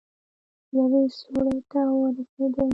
يوې سوړې ته ورسېدم.